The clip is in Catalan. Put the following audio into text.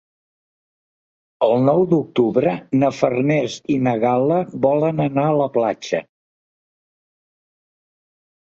El nou d'octubre na Farners i na Gal·la volen anar a la platja.